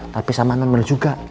tapi sama naman juga